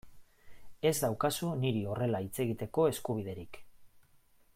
Ez daukazu niri horrela hitz egiteko eskubiderik.